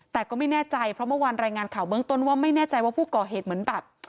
แต่ก็ไม่แน่ใจเพราะเมื่อวานรายงานข่าวเบื้องต้นว่าไม่แน่ใจว่าผู้ก่อเหตุเหมือนแบบ